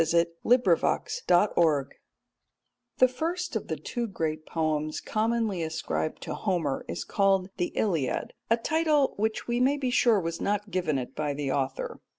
The Humour of Homer The first of the two great poems commonly ascribed to Homer is called the Iliad a title which we may be sure was not given it by the author.